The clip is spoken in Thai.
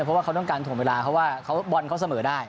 เพราะว่าเขาต้องการถ่วงเวลาเพราะว่าบอลเขาเสมอได้